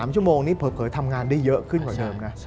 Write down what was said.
๓ชั่วโมงนี้เผลอทำงานได้เยอะขึ้นกว่าเดิมไง